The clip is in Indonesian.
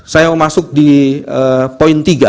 saya mau masuk di poin tiga